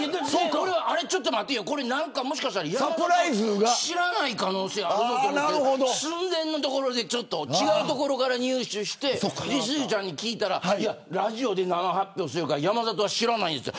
ちょっと待てよ、もしかしたらこれ山里知らない可能性があると思って寸前のところで違うところから入手してしずちゃんに聞いたらラジオで生発表するから山里は知らないって。